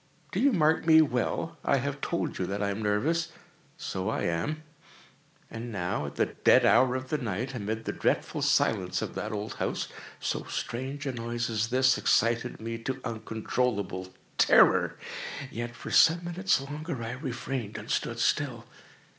—do you mark me well? I have told you that I am nervous: so I am. And now at the dead hour of the night, amid the dreadful silence of that old house, so strange a noise as this excited me to uncontrollable terror. Yet, for some minutes longer I refrained and stood still.